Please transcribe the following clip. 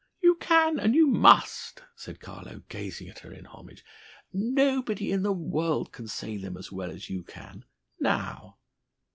"You can, and you must," said Carlo, gazing at her in homage. "Nobody in the world can say them as well as you can. Now!"